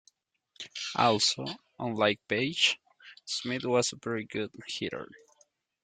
Also, unlike Paige, Smith was a very good hitter.